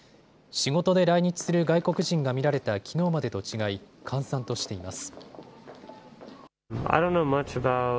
仕事で来日する外国人が見られたきのうまでと違い閑散としています。